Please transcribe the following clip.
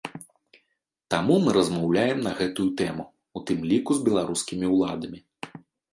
Таму мы размаўляем на гэтую тэму, у тым ліку з беларускімі ўладамі.